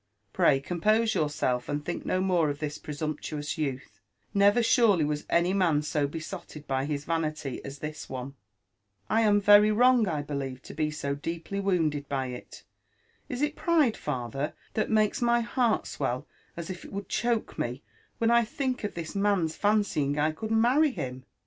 Pray compose yourself and think no more of this presumptuous youth : never surely was any man so besotted by his vanity as this one!" '' I am very wrong, I believe, to be so deeply wounded by it. Is it pride, father, that makes my heart swell as if it would choke me when I think of this man's fancying I could marry him